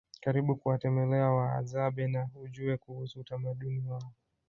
Karibu kuwatemelea Wahadzabe na ujue kuusu utamaduni wao